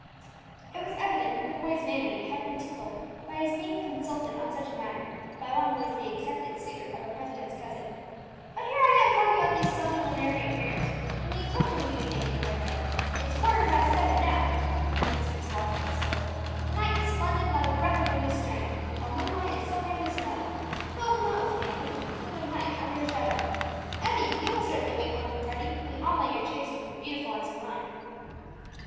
It was evident that the boy's vanity had been tickled by his being consulted on such a matter by one who was the accepted suitor of a president's cousin. "But here am I talking about these sublunary affairs, when the eclipse will be beginning," cried Vibert. "It is quarter past seven now," he glanced at his watch as he spoke; "the night is splendid, not a breath of wind is stirring, while moonlight is silvering the snow. Who will come out with me and look at the queen of night under a shadow? Emmie, you will certainly make one of the party; we all know your taste for the beautiful and sublime."